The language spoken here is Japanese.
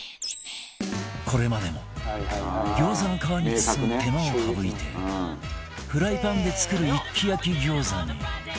これまでも餃子の皮に包む手間を省いてフライパンで作る一気焼き餃子に